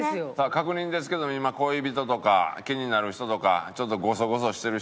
確認ですけど今恋人とか気になる人とかちょっとゴソゴソしてる人みたいなのはいないんですか？